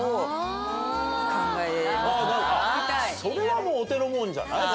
それはもうお手のもんじゃない？